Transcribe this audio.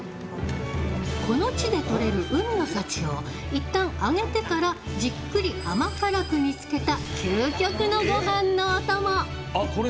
この地でとれる海の幸をいったん揚げてからじっくり甘辛く煮つけた究極のごはんのお供。